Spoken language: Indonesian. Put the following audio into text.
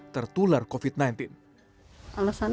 terkait dengan keadaan sujaranya